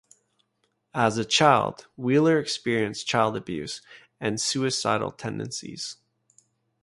As a child, Wheeler experienced child abuse and suicidal tendencies.